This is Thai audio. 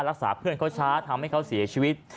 เพื่อนเขาช้าทำให้เขาเสียชีวิต